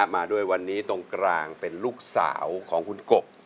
มาด้วยวันนี้ตรงกลางเป็นลูกสาวของคุณกบ